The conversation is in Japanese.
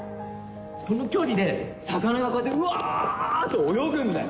この距離で魚がこうやってうわって泳ぐんだよ？